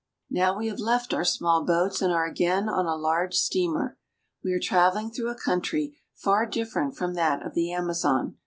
Now we have left our small boats and are again on a large steamer. We are traveling through a country far differ ent from that of the Amazon.